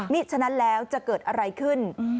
ฉะนั้นแล้วจะเกิดอะไรขึ้น